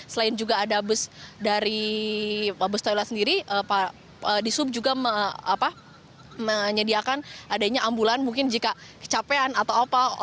selain juga ada bus dari bus toilet sendiri di sub juga menyediakan adanya ambulan mungkin jika kecapean atau apa